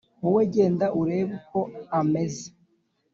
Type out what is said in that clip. Wowe genda urebe uko ameze